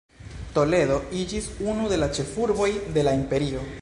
Toledo iĝis unu de la ĉefurboj de la imperio.